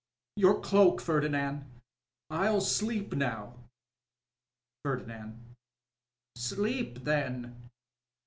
— Your cloak, Ferdinand. I'll sleep now. Pbrdinand.— Sleep, then